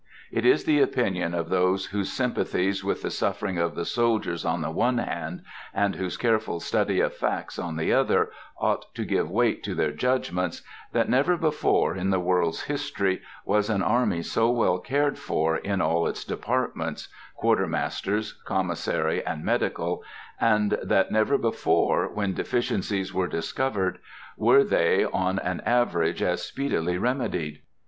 It is the opinion of those whose sympathies with the suffering of the soldiers on the one hand, and whose careful study of facts on the other, ought to give weight to their judgments, that never before, in the world's history, was an army so well cared for in all its departments, Quartermaster's, Commissary, and Medical, and that never before, when deficiencies were discovered, were they, on an average, as speedily remedied.